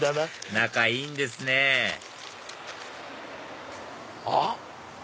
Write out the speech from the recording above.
仲いいんですねあっ！